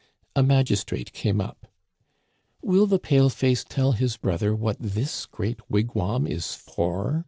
A magistrate came up. "* Will the pale face tell his brother what this great wigwam is for